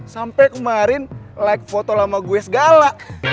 sampai kemarin like foto lama gue segala